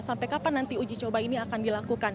sampai kapan nanti uji coba ini akan dilakukan